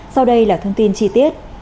sau đây là thông tin chi tiết